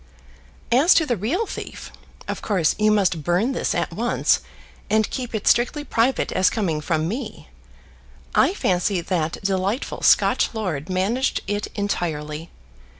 As to the real thief; of course you must burn this at once, and keep it strictly private as coming from me; I fancy that delightful Scotch lord managed it entirely.